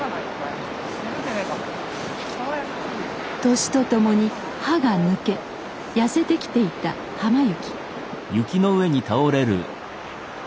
年とともに歯が抜け痩せてきていた浜雪。